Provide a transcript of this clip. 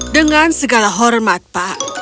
dengan segala hormat pak